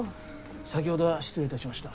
先ほどは失礼いたしました。